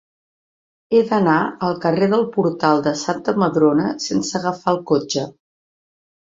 He d'anar al carrer del Portal de Santa Madrona sense agafar el cotxe.